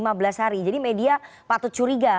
lima belas hari jadi media patut curiga